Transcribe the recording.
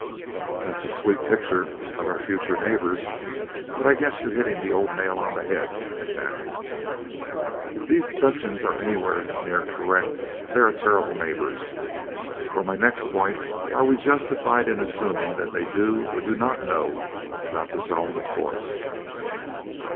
"That's a sweet picture of our future neighbors but I guess you're hitting the old nail on the head, at that." "If these deductions are anywhere nearly correct, they are terrible neighbors. For my next point, are we justified in assuming that they do or do not know about the zone of force?"